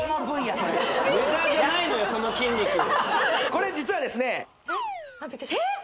これ実はですね・えっ！？